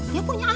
dia punya anak